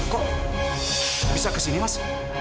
kok bisa kesini mas